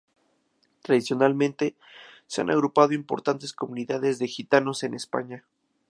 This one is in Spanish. Tradicionalmente, se han agrupado importantes comunidades de gitanos en España.